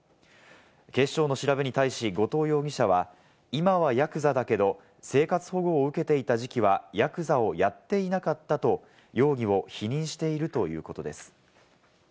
警視庁の調べに対し、後藤容疑者は、今はヤクザだけれど、生活保護を受けていた時期はヤクザをやっていなかったと容疑を否認しているということです。